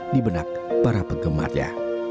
di benak para penggemarnya